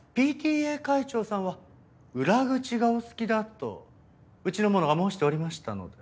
ＰＴＡ会長さんは裏口がお好きだとうちの者が申しておりましたので。